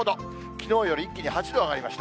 きのうより一気に８度上がりました。